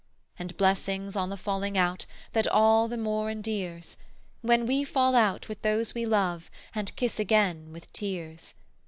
And blessings on the falling out That all the more endears, When we fall out with those we love And kiss again with tears!